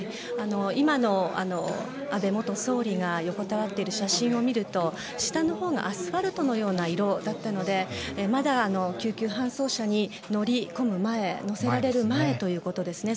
今の安倍元総理が横たわっている写真を見ると下のほうがアスファルトのような色だったのでまだ救急搬送車に乗り込む前ということですね。